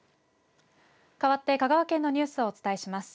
かわって香川県のニュースをお伝えします。